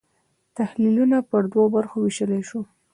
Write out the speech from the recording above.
تحلیلونه پر دوو برخو وېشلای شو.